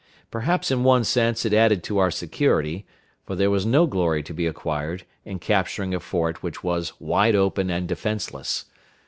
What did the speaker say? Perhaps in one sense it added to our security, for there was no glory to be acquired in capturing a fort which was wide open and defenseless.